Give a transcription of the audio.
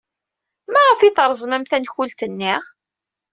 Maɣef ay treẓmem tankult-nni?